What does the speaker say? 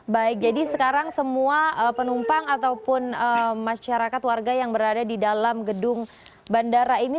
baik jadi sekarang semua penumpang ataupun masyarakat warga yang berada di dalam gedung bandara ini